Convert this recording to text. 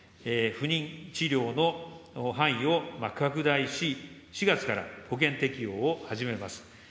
不妊治療の範囲を拡大し、４月から保険適用を始めます。